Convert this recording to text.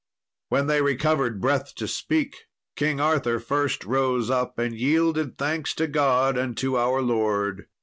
When they recovered breath to speak, King Arthur first rose up, and yielded thanks to God and to our Lord.